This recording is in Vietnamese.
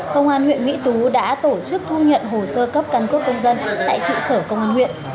công an huyện mỹ tú đã tổ chức thu nhận hồ sơ cấp căn cước công dân tại trụ sở công an huyện